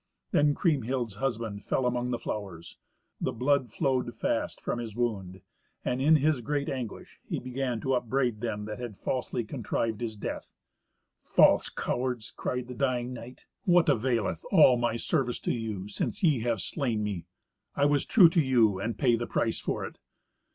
Then Kriemhild's husband fell among the flowers. The blood flowed fast from his wound, and in his great anguish he began to upbraid them that had falsely contrived his death. "False cowards!" cried the dying knight. "What availeth all my service to you, since ye have slain me? I was true to you, and pay the price for it.